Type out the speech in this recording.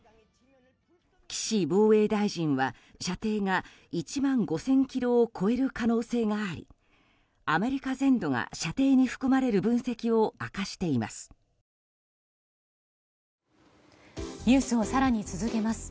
岸防衛大臣は射程が１万５０００ｋｍを超える可能性があり、アメリカ全土が射程に含まれる分析を明かしています。